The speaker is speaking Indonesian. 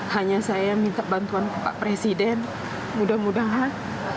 hanya saya minta bantuan pak presiden mudah mudahan